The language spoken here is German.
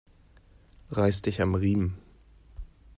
Reiß dich am Riemen